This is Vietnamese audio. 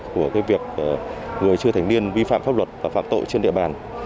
của việc người chưa thành niên vi phạm pháp luật và phạm tội trên địa bàn